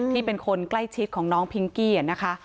เป็นคนใกล้ชิดของน้องพิงกี้นะคะ